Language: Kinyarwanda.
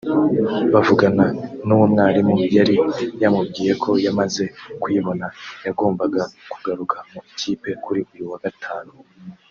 bavugana n’uwo mwarimu yari yamubwiye ko yamaze kuyibona yagombaga kugaruka mu ikipe kuri uyu wa Gatanu